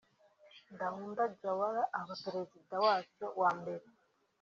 Dawda Jawara aba perezida wacyo wa mbere